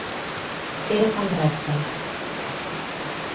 Era tan recte.